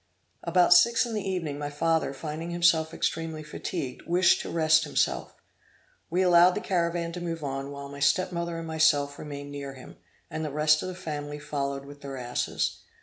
About six in the evening, my father finding himself extremely fatigued, wished to rest himself. We allowed the caravan to move on, while my step mother and myself remained near him, and the rest of the family followed with their asses.